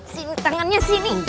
sini tangannya sini